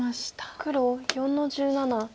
黒４の十七ツケ。